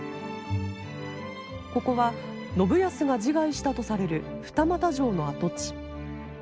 ここは信康が自害したとされる二俣城の跡地。